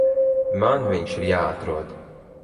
Man viņš ir jāatrod.